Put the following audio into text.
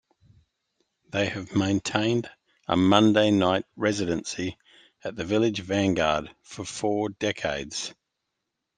They have maintained a Monday-night residency at the Village Vanguard for four decades.